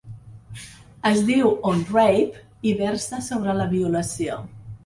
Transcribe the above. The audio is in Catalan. Es diu ‘On Rape’ i versa sobre la violació.